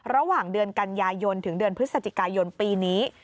ระหว่างเดือนกันยายนถึงเดือนพฤศจิกายนปีนี้